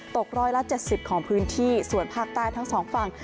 ตกร้อยละ๗๐ของพื้นที่ส่วนภาคใต้ทั้งสองฝั่ง